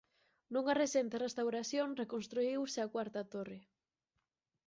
Nunha recente restauración reconstruíuse a cuarta torre.